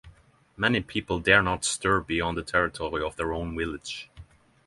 Many people dare not stir beyond the territory of their own village.